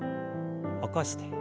起こして。